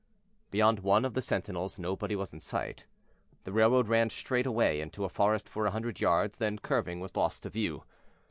Beyond one of the sentinels nobody was in sight; the railroad ran straight away into a forest for a hundred yards, then, curving, was lost to view.